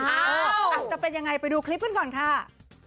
อาจจะเป็นยังไงไปดูคลิปกันก่อนค่ะ